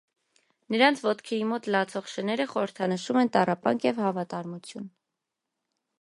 Նրանց ոտքերի մոտ լացող շները խորհրդանշում են տառապանք և հավատարմություն։